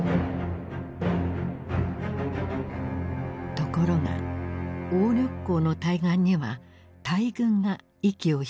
ところが鴨緑江の対岸には大軍が息を潜めていた。